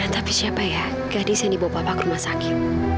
tapi siapa ya gadis yang dibawa bapak ke rumah sakit